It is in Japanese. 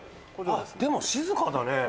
でも静かだね。